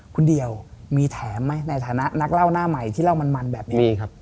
คุณเดี่ยวมีแถมไหมในฐานะนักเล่าหน้าใหม่ที่เล่ามันแบบนี้